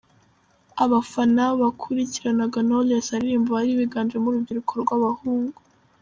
Abafana bakurikiranaga Knowless aririmba bari biganjemo urubyiruko rw'abahungu.